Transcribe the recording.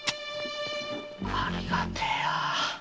ありがてぇやァ。